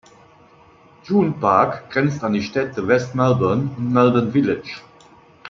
June Park grenzt an die Städte West Melbourne und Melbourne Village.